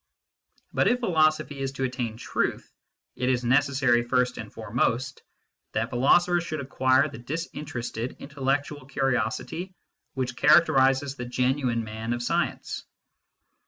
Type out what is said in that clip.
But if philosophy is to attain truth, it is necessary first and foremost that philosophers should acquire the disinterested intellectual curiosity which characterises the genuine man of science.